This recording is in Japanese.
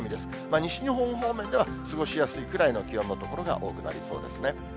西日本方面では過ごしやすいくらいの気温の所が多くなりそうですね。